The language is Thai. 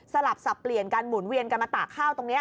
สลับสับเปลี่ยนกันหมุนเวียนกันมาตากข้าวตรงนี้